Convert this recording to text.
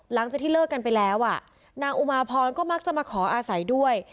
หลังจากที่เลิกกันไปแล้วอ่ะนางอุมาพรก็มักจะมาขออาศัยด้วย